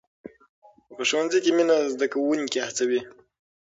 په ښوونځي کې مینه زده کوونکي هڅوي.